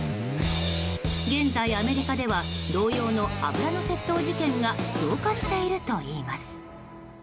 現在、アメリカでは同様の油の窃盗事件が増加しているといいます。